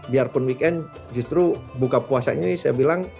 biarpun weekend justru buka puasanya ini saya bilang